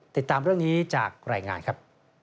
ติดตามเรื่องนี้จากรายงานครับ